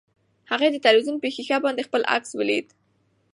هغې د تلویزیون په ښیښه باندې خپل عکس ولید.